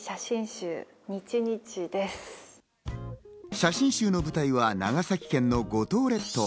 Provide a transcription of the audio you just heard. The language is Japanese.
写真集の舞台は長崎県の五島列島。